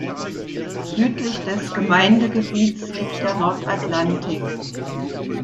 Südlich des Gemeindegebiets liegt der Nordatlantik.